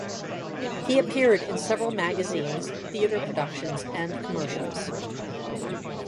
He appeared in several magazines, theater productions, and commercials.